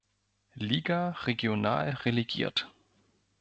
Liga regional relegiert.